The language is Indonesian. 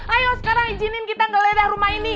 ayo sekarang izinin kita ngeledah rumah ini